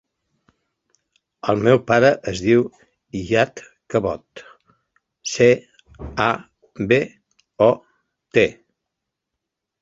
El meu pare es diu Iyad Cabot: ce, a, be, o, te.